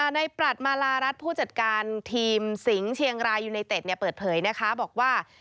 ปรัชมาลารัฐผู้จัดการทีมสิงห์เชียงรายยูไนเต็ดเปิดเผยนะคะบอกว่า